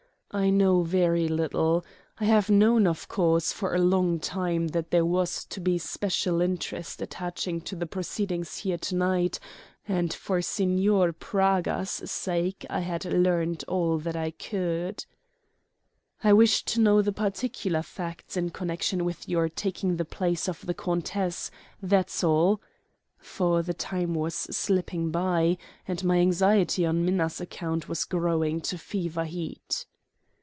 "I know very little. I have known, of course, for a long time that there was to be special interest attaching to the proceedings here to night, and for Signor Praga's sake I had learned all that I could." "I wish to know the particular facts in connection with your taking the place of the countess, that's all," for the time was slipping by and my anxiety on Minna's account was growing to fever heat.